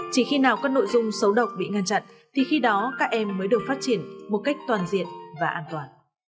chỉ khi nào các nội dung xấu độc bị ngăn chặn thì khi đó các em mới được phát triển một cách toàn diện và an toàn